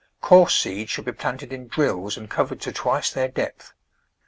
Coarse seeds should be planted in drills and covered to twice their depth.